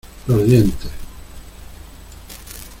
los dientes.